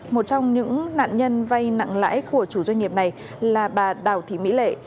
một trong những nạn nhân vay nặng lãi của chủ doanh nghiệp này là bà đào thị mỹ lệ